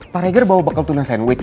pak reger bawa bakal tunang sandwich